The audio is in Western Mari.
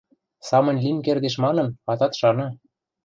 Самынь лин кердеш манын атат шаны.